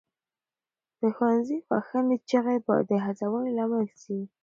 د ښوونځي بخښنې چیغې به د هڅونې لامل سي.